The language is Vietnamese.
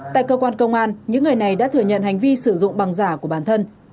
tại cơ quan công an những người này đã thừa nhận hành vi sử dụng bằng giả của bản thân